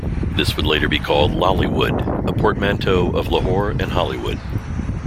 This would later be called "Lollywood", a portmanteau of Lahore and Hollywood.